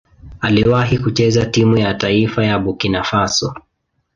Aliwahi kucheza timu ya taifa ya Burkina Faso.